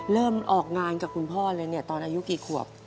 เริ่มออกงานกับคุณพ่อเลยเนี่ยตอนอายุกี่ขวบ